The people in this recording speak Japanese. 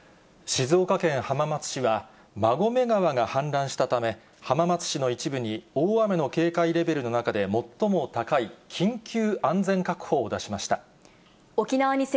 静岡県浜松市は、馬込川が氾濫したため、浜松市の一部に、大雨の警戒レベルの中で最も高い、緊急安全確保を出しました。